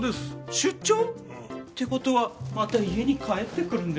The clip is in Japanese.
出張？って事はまた家に帰って来るんですね。